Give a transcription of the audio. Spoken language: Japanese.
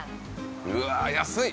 うわ安い！